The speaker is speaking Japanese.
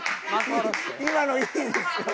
今のいいですよ。